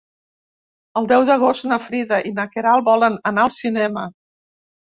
El deu d'agost na Frida i na Queralt volen anar al cinema.